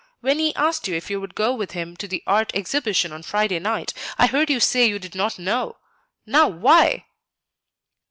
When he asked you if you would go with him to the Art Exhibition on Friday night, I heard you say you did not know. Now why?"